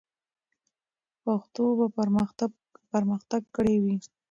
پښتو به پرمختګ کړی وي.